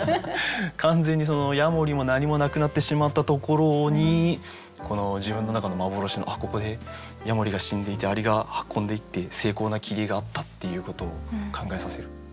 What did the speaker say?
完全にやもりも何もなくなってしまったところに自分の中の幻のここでやもりが死んでいて蟻が運んでいって精巧な切り絵があったっていうことを考えさせる。